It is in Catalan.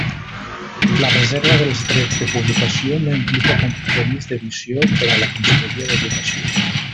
La reserva dels drets de publicació no implica compromís d'edició per a la Conselleria d'Educació.